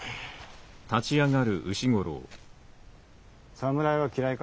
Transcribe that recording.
侍は嫌いか？